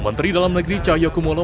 menteri dalam negeri chahyokumolo